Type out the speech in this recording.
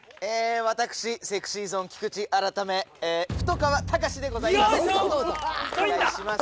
私ＳｅｘｙＺｏｎｅ・菊池改め太川たかしでございますお願いします。